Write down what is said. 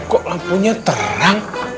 kok lampunya terang